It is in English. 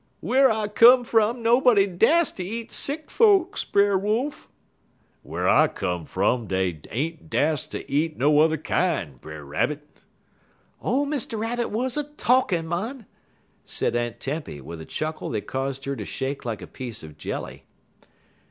"'Whar I come fum nobody dast ter eat sick folks, Brer Wolf.' "'Whar I come fum dey ain't dast ter eat no yuther kin', Brer Rabbit.'" "Ole Mr. Rabbit wuz a talkin', mon," said Aunt Tempy, with a chuckle that caused her to shake like a piece of jelly.